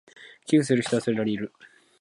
寄付する人はそれなりにいる